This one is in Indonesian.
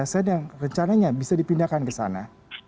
bagaimana masyarakat asn rencananya bisa dipindahkan ke sana